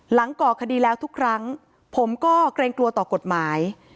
ก่อคดีแล้วทุกครั้งผมก็เกรงกลัวต่อกฎหมาย